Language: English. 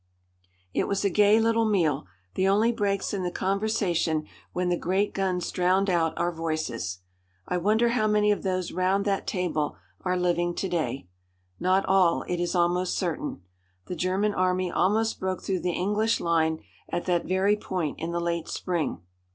'" It was a gay little meal, the only breaks in the conversation when the great guns drowned out our voices. I wonder how many of those round that table are living to day. Not all, it is almost certain. The German Army almost broke through the English line at that very point in the late spring.